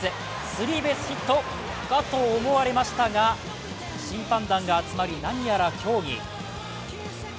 スリーベースヒットだと思われましたが審判団が集まり何やら協議。